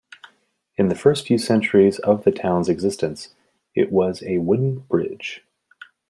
In the first few centuries of the town's existence, it was a wooden bridge.